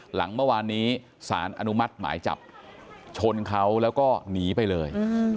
หลังเมื่อวานนี้สารอนุมัติหมายจับชนเขาแล้วก็หนีไปเลย